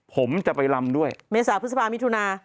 ผมจะไปลำด้วยเมษาพฤษภามิถุนา